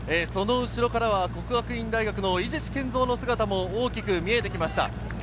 その後ろからは国学院大の伊地知賢造の姿も大きく見えてきました。